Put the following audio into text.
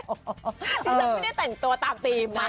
ดิฉันไม่ได้แต่งตัวตามธรรมดา